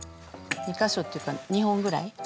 ２カ所っていうか２本ぐらい。